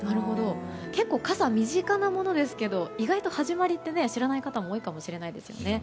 結構傘は身近なものですが意外と始まりって知らない人も多いかもしれないですね。